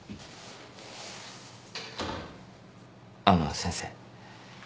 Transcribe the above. あの先生。